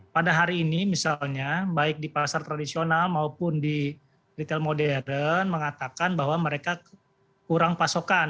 pada hari ini misalnya baik di pasar tradisional maupun di retail modern mengatakan bahwa mereka kurang pasokan